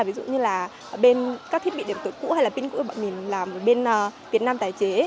ví dụ như là bên các thiết bị điện tử cũ hay là pin cũ bọn mình làm bên việt nam tài chế